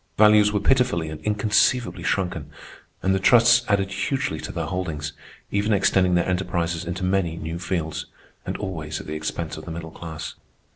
Values were pitifully and inconceivably shrunken, and the trusts added hugely to their holdings, even extending their enterprises into many new fields—and always at the expense of the middle class.